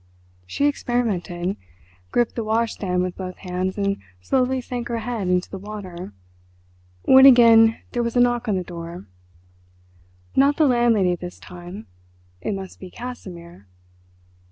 She experimented—gripped the washstand with both hands and slowly sank her head into the water, when again there was a knock on the door. Not the landlady this time—it must be Casimir.